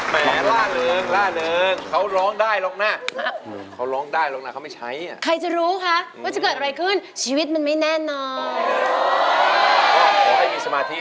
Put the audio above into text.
ไม่ต้องเขินไม่ต้องอายถ้าจะใช้ตัวช่วย